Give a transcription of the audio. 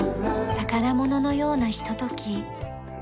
宝物のようなひととき。